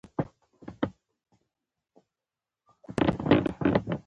د نظامونو په مقابل کې.